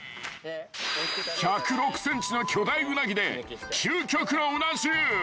［１０６ｃｍの巨大ウナギで究極のうな重］